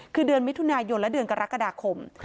คือเดือนมิถุนายนและเดือนกรกฎาคม